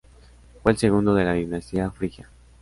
Fue el segundo de la dinastía frigia.